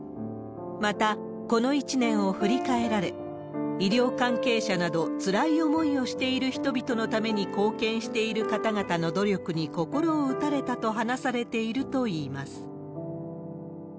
また、この１年を振り返られ、医療関係者などつらい思いをしている人々のために貢献している方々の努力に心を打たれたと話されているといいます。